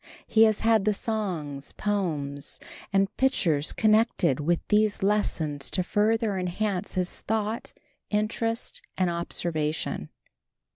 He has had the songs, poems, and pictures connected with these lessons to further enhance his thought, interest, and observation.